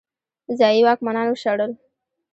ځايي واکمنان وشړل.